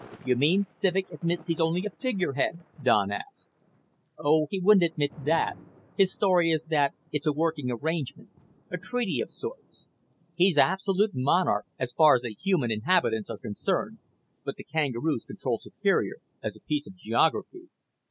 "You mean Civek admits he's only a figurehead?" Don asked. "Oh, he wouldn't admit that. His story is that it's a working arrangement a treaty of sorts. He's absolute monarch as far as the human inhabitants are concerned, but the kangaroos control Superior as a piece of geography."